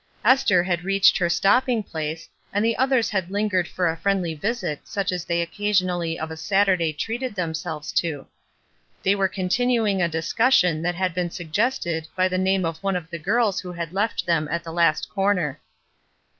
Esther had readied her stopping place, and the others had lingered for a friendly visit such as they occasionally of a Saturday treated themselves to. They were continuing a discussion that had been suggested by the name of one of the girls who had left them at the last comer.